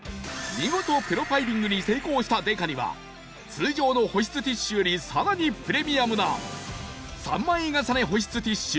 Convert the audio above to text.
見事プロファイリングに成功したデカには通常の保湿ティッシュよりさらにプレミアムな３枚重ね保湿ティッシュ